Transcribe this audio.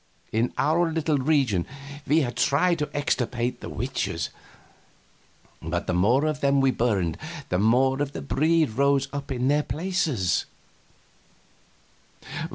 In our little region we had tried to extirpate the witches, but the more of them we burned the more of the breed rose up in their places.